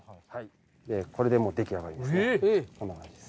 これでもう出来上がりです。